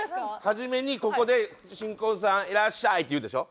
初めにここで「新婚さんいらっしゃい！」って言うでしょ？